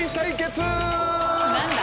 何だ？